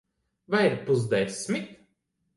Vai ir pusdesmit?